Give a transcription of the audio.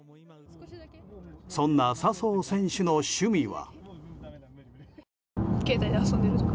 そんな笹生選手の趣味は。